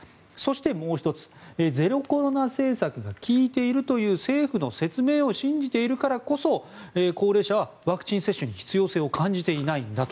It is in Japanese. そして、もう１つゼロコロナ政策が効いているという政府の説明を信じているからこそ高齢者はワクチン接種に必要性を感じていないんだと。